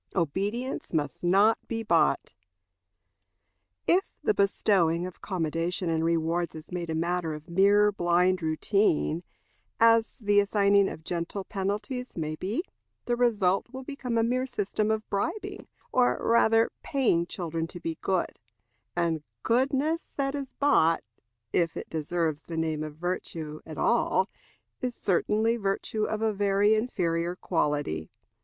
Obedience must not be Bought. If the bestowing of commendation and rewards is made a matter of mere blind routine, as the assigning of gentle penalties may be, the result will become a mere system of bribing, or rather paying children to be good; and goodness that is bought, if it deserves the name of virtue at all, is certainly virtue of a very inferior quality.